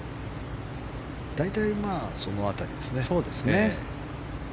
大体その辺りですね。